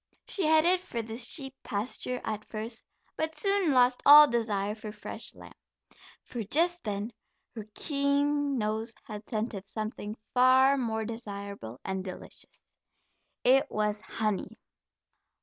She headed for the sheep pasture at first, but soon lost all desire for fresh lamb, for just then her keen nose had scented something far more desirable and delicious. It was honey.